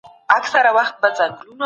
حکومت باید د بې وزلو غږ واوري.